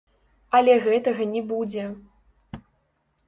Але гэтага не будзе.